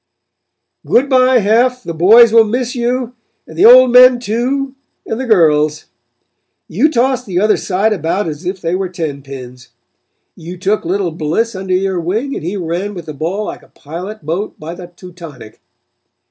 Good by Heff! the boys will miss you, And the old men, too, and the girls; You tossed the other side about as if they were ten pins; You took Little Bliss under your wing and he ran with the ball like a pilot boat by the Teutonic.